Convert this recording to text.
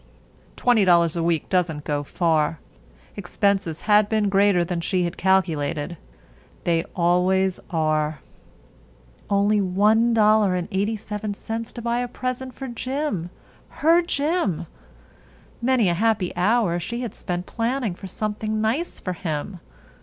Twenty dollars a week doesn't go far. Expenses had been greater than she had calculated. They always are. Only $1.87 to buy a present for Jim. Her Jim. Many a happy hour she had spent planning for something nice for him.